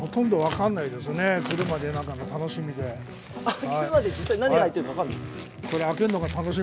開けるまで実際何が入ってるか分からない？